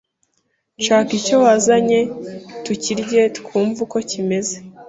Shaka icyo wazanye tukirye twumve uko kimeze